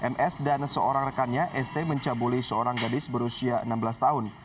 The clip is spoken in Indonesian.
ms dan seorang rekannya st mencabuli seorang gadis berusia enam belas tahun